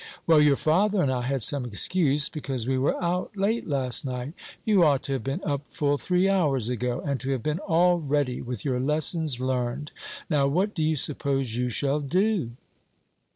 "Well, your father and I had some excuse, because we were out late last night; you ought to have been up full three hours ago, and to have been all ready, with your lessons learned. Now, what do you suppose you shall do?"